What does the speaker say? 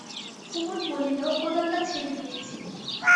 কুমুদ বলিল, ও দলটা ছেড়ে দিয়েছি।